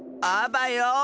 あばよ！